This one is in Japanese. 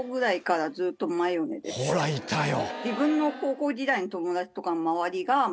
ほらいたよ